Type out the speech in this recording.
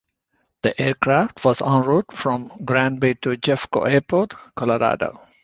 The aircraft was en route from Granby to Jeffco Airport, Colorado.